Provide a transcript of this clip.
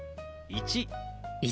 １。